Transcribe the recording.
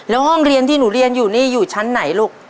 แล้วห้องเรียนที่หนูเรียนอยู่นี่อยู่ชั้นไหนลูก